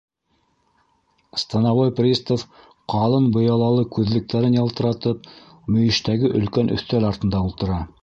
Становой пристав, ҡалын быялалы күҙлектәрен ялтыратып, мөйөштәге өлкән өҫтәл артында ултыра.